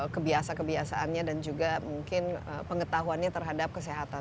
kebiasa kebiasaannya dan juga mungkin pengetahuannya terhadap kesehatan